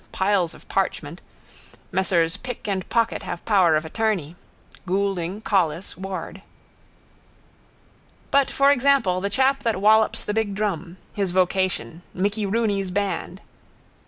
Piles of parchment. Messrs Pick and Pocket have power of attorney. Goulding, Collis, Ward. But for example the chap that wallops the big drum. His vocation: Mickey Rooney's band.